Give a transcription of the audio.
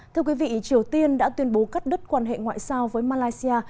thưa quý vị triều tiên đã tuyên bố cắt đứt quan hệ ngoại sao với malaysia